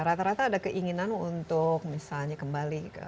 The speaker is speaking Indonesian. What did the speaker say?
rata rata ada keinginan untuk misalnya kembali